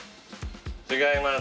違います。